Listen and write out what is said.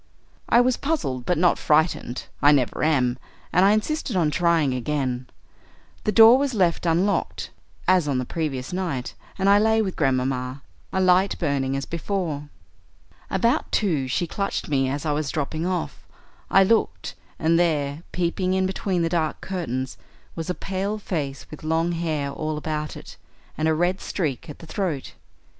"I was puzzled, but not frightened; I never am, and I insisted on trying again. The door was left unlocked, as on the previous night, and I lay with Grandmamma, a light burning as before. About two she clutched me as I was dropping off. I looked, and there, peeping in between the dark curtains, was a pale face with long hair all about it, and a red streak at the throat.